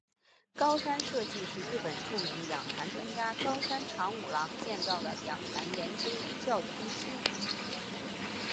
高山社迹是日本著名养蚕专家高山长五郎建造的养蚕研究与教育中心。